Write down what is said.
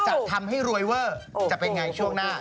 จะทำให้รวยเวอร์จะเป็นไงช่วงหน้า